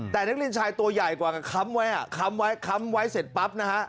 แต่นักเรียนชายตัวใหญ่กว่ากันค้ำไว้อ่ะค้ำไว้ค้ำไว้เสร็จปั๊บนะฮะ